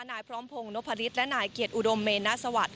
นายพร้อมพงษ์นพภริษฐ์และนายเกียรติอุดมเมนท์นะสวัสดี